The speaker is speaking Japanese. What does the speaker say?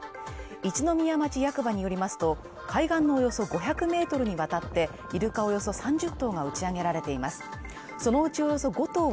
一宮町役場によりますと、海岸のおよそ５００ｍにわたっているかおよそ３０頭がうちあげられています